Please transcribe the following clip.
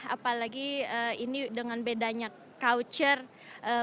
apalagi ini dengan bedanya culture